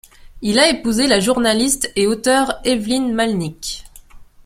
Il a épousé la journaliste et auteure Évelyne Malnic.